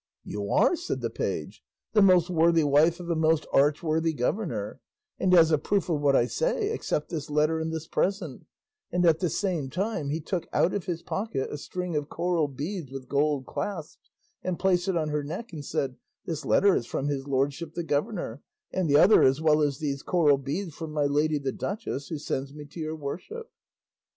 "You are," said the page, "the most worthy wife of a most arch worthy governor; and as a proof of what I say accept this letter and this present;" and at the same time he took out of his pocket a string of coral beads with gold clasps, and placed it on her neck, and said, "This letter is from his lordship the governor, and the other as well as these coral beads from my lady the duchess, who sends me to your worship."